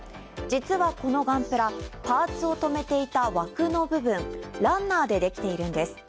実はこのガンプラパーツをとめていた枠の部分ランナーでできているんです。